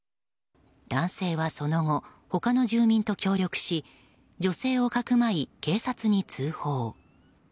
男性はその後、他の住民と協力し女性をかくまい、警察に通報。